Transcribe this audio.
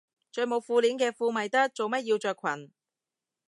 着冇褲鏈嘅褲咪得，做乜要着裙